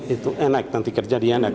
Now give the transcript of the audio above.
itu enak nanti kerja di anak